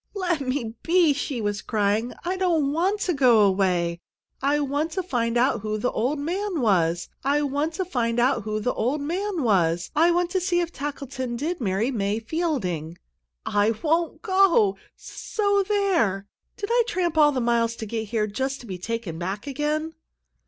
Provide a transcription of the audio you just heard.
"Let me be!" she was crying. "I don't want to go away! I want to find out who the old man was! I want to find out who the old man was! I want to see if Tackleton did marry May Fielding! I won't go! S so there! Did I tramp all the miles to get here just to be taken back again?"